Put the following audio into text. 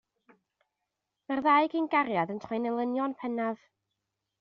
Mae'r ddau gyn-gariad yn troi'n elynion pennaf.